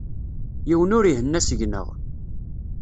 Yiwen ur ihenna seg-neɣ.